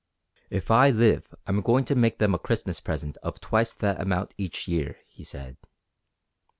"If I live I'm going to make them a Christmas present of twice that amount each year," he said.